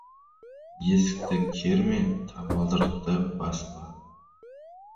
Есікті керме, табалдырықты баспа.